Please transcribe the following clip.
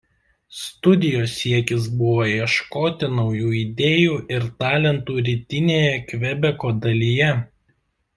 Studijos siekis buvo ieškoti naujų idėjų ir talentų rytinėje Kvebeko dalyje.